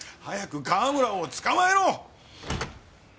早く川村を捕まえろ！